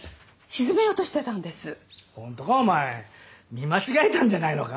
見間違えたんじゃないのか？